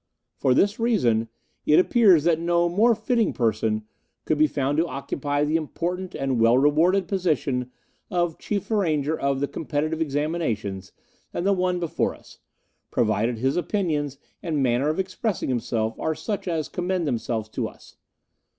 For this reason it appears that no more fitting person could be found to occupy the important and well rewarded position of Chief Arranger of the Competitive Examinations than the one before us provided his opinions and manner of expressing himself are such as commend themselves to us.